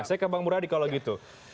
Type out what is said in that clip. saya ke bang muradi kalau gitu